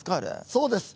そうです。